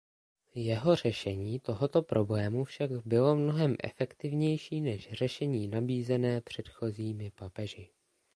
Jeho řešení tohoto problému však bylo mnohem efektivnější než řešení nabízené předchozími papeži.